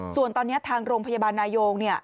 ส่วนตอนนี้ทางโรงพยาบาลนายง